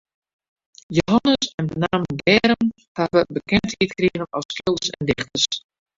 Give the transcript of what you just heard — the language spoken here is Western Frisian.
Jehannes en benammen Germ hawwe bekendheid krigen as skilders en dichters.